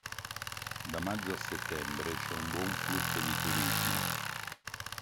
Da maggio a settembre c'è un buon flusso di turismo.